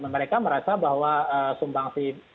mereka merasa bahwa sumbang